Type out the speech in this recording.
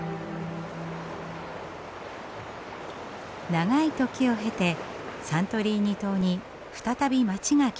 長い時を経てサントリーニ島に再び街が築かれます。